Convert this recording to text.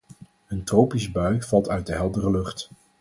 Een tropische bui valt uit de heldere lucht.